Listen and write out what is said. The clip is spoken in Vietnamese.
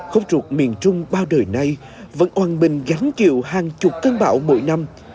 khốc trục miền trung bao đời nay vẫn oan bình gánh chịu hàng chục cơn bão mỗi năm